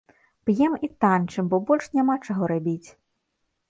П'ем і танчым, бо больш няма чаго рабіць.